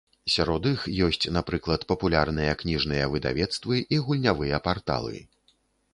Сярод іх ёсць, напрыклад, папулярныя кніжныя выдавецтвы і гульнявыя парталы.